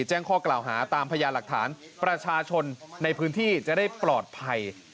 แจ้งข้อกล่าวหาตามพญาหลักฐานประชาชนในพื้นที่จะได้ปลอดภัย